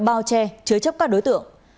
bao che chứa chấp các đối tượng